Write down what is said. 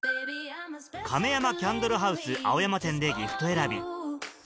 カメヤマキャンドルハウス青山店でギフト選び